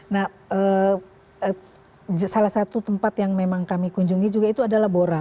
nah salah satu tempat yang memang kami kunjungi juga itu adalah bora